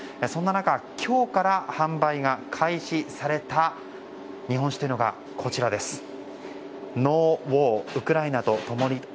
そんな中、今日から販売が開始された日本酒というのがこちら「ＮＯＷＡＲウクライナとともに」。